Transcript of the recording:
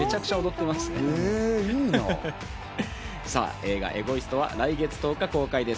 映画『エゴイスト』は来月１０日公開です。